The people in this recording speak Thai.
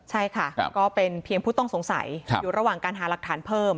ใช่ค่ะก็เป็นเพียงผู้ต้องสงสัยอยู่ระหว่างการหาหลักฐานเพิ่ม